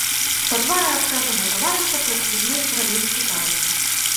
Па твары адказнага таварыша праслізнуў прамень цікавасці.